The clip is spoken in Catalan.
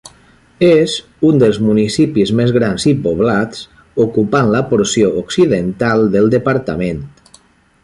És un dels municipis més grans i poblats, ocupant la porció occidental del departament.